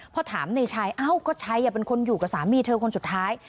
เพราะถามในชัยโอ๊ะก็ใช่อย่าเป็นคนอยู่กับสามีเธอก้นสุดท้าย